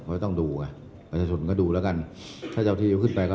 เขาก็ต้องดูไงประชาชนก็ดูแล้วกันถ้าเจ้าที่ก็ขึ้นไปก็